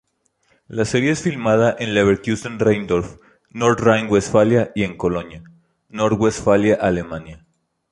La serie es filmada en Leverkusen-Rheindorf, North Rhine-Westphalia y en Cologne, North Rhine-Westphalia, Alemania.